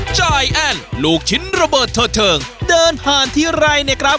จ่ายแอ้นลูกชิ้นระเบิดเถิดเทิงเดินผ่านทีไรเนี่ยครับ